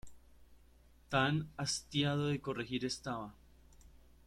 Tan hastiado de corregir estaba.